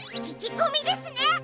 ききこみですね！